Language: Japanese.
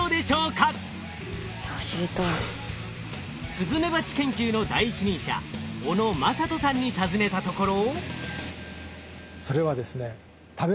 スズメバチ研究の第一人者小野正人さんに尋ねたところ。